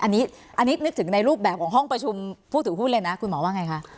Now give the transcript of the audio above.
อันนี้นึกถึงในรูปแบบของห้องประชุมผู้ถือหุ้นเลยนะคุณหมอว่าไงคะ